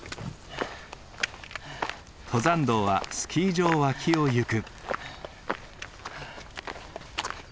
登山道はスキー場脇を行く。